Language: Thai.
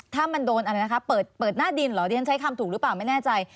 ถ้ามันโดนเปิดหน้าดินเดี๋ยวสายคำถูกหรือเปล่าไม่แน่ใจ